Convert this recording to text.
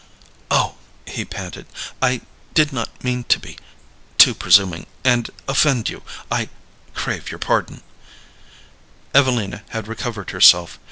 "Oh," he panted, "I did not mean to be too presuming, and offend you. I crave your pardon " Evelina had recovered herself.